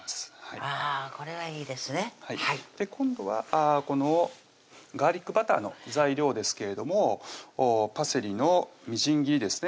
あこれはいいですね今度はこのガーリックバターの材料ですけれどもパセリのみじん切りですね